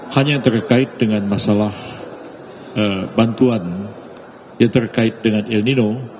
hanya yang terkait dengan masalah bantuan yang terkait dengan ilnino